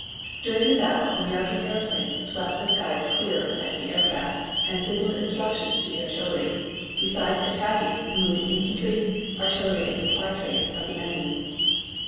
During the battle American airplanes swept the skies clear of enemy air craft and signaled instructions to the artillery, besides attacking the moving infantry, artillery and supply trains of the enemy.